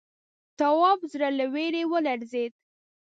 تواب زړه له وېرې ولړزېد.